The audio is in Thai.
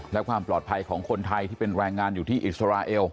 และความปลอดภัยของคนไทยที่เป็นแรงงานอยู่ที่อิสราเอล